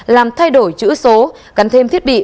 làm thay đổi chữ số gắn thêm thiết bị